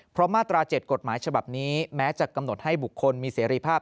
เพราะมาตรา๗กฎหมายฉบับนี้แม้จะกำหนดให้บุคคลมีเสรีภาพ